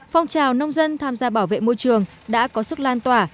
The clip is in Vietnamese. phong trào nông dân tham gia bảo vệ môi trường đã có sức lan tỏa